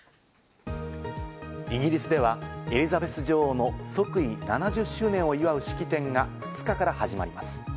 イギリスではエリザベス女王の即位７０周年を祝う式典が２日から始まります。